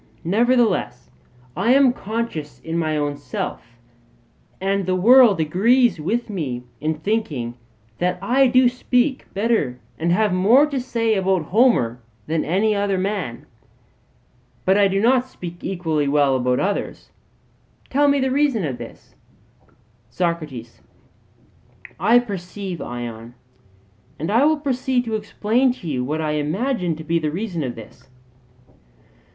Nevertheless I am conscious in my own self, and the world agrees with me in thinking that I do speak better and have more to say about Homer than any other man. But I do not speak equally well about others tell me the reason of this. SOCRATES: I perceive, Ion; and I will proceed to explain to you what I imagine to be the reason of this.